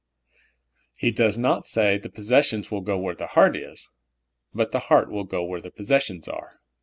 He does not .say the possessions will go where the heart is, but the heart will go where the possessions are.